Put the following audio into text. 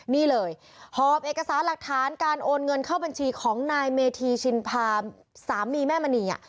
นี่เลยหอบเอกสารหลักฐานการโอนเงินเข้าบัญชีของนายเมธีชินพาสามีแม่มณี